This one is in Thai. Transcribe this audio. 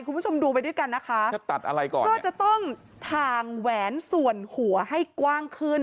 คุณผู้ชมดูไปด้วยกันนะคะก็จะต้องทางแหวนส่วนหัวให้กว้างขึ้น